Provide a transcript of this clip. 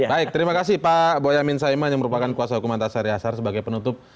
baik terima kasih pak boyamin saiman yang merupakan kuasa hukuman tasar yasar sebagai penutup